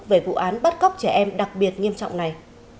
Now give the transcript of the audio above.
về vụ án bắt cóc trẻ em đặc biệt nghiêm trọng này